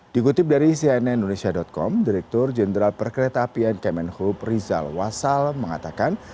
dikutip dari cnn indonesia com direktur jenderal perkereta apian kemenhub rizal wasal mengatakan